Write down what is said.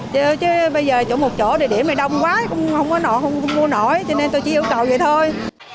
chứ bây giờ chỗ một chỗ địa điểm này đông quá không có nội không mua nội cho nên tôi chỉ yêu cầu vậy thôi